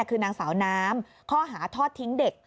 คือนางสาวน้ำข้อหาทอดทิ้งเด็ก